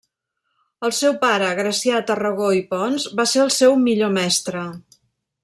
El seu pare Gracià Tarragó i Pons va ser el seu millor mestre.